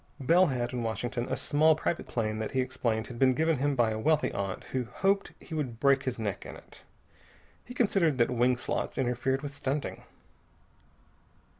Bell had, in Washington, a small private plane that, he explained, had been given him by a wealthy aunt, who hoped he would break his neck in it. He considered that wing slots interfered with stunting.